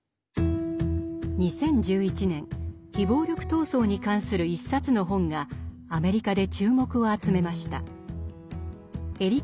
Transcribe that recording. ２０１１年非暴力闘争に関する一冊の本がアメリカで注目を集めました。